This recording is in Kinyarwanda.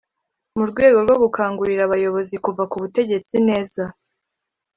mu rwego rwo gukangurira abayobozi kuva ku butegetsi neza